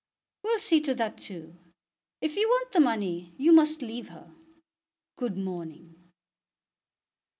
"We'll see to that too. If you want the money, you must leave her. Good morning."